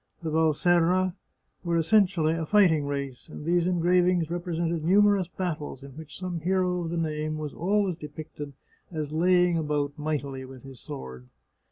The Valserra were essentially a fighting race, and these engravings represented numerous battles, in which some hero of the name was always depicted as laying about mightily with his sword.